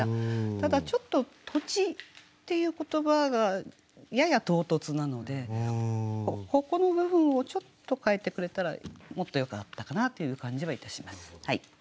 ただちょっと「土地」っていう言葉がやや唐突なのでここの部分をちょっと変えてくれたらもっとよかったかなという感じはいたします。